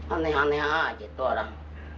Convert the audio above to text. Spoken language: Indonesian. aneh aneh aja tuh orang